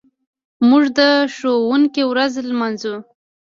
موږ د ښوونکي ورځ لمانځو.